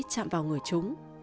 chạm vào người chúng